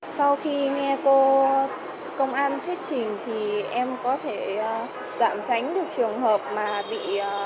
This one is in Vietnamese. sau khi nghe cô công an thuyết trình thì em có thể giảm tránh được trường hợp mà bị